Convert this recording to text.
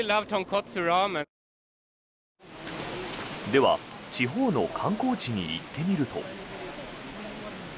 では地方の観光地に行ってみると。